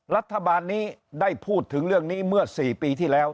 รัฐบาลนี้ได้พูดถึงเรื่องนี้เมื่อ๔ปีที่แล้ว